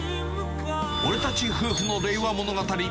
俺たち夫婦の令和物語。